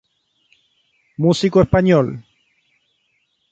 Músico español.